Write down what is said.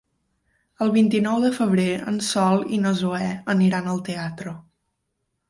El vint-i-nou de febrer en Sol i na Zoè aniran al teatre.